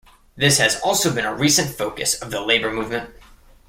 This has also been a recent focus of the labour movement.